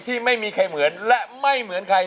ที่ไม่มีใครเหมือนและไม่เหมือนใคร